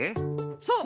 そう。